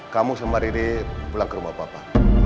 kamu sama riri pulang ke rumah papa